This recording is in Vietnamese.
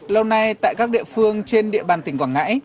lâu nay tại các địa phương trên địa bàn tỉnh quảng ngãi